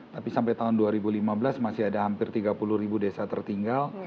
tapi sampai tahun dua ribu lima belas masih ada hampir tiga puluh ribu desa tertinggal